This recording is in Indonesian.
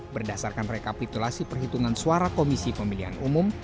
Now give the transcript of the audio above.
berdasarkan rekapitulasi perhitungan suara komisi pemilihan umum